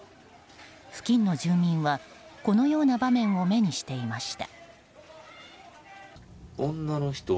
付近の住民は、このような場面を目にしていました。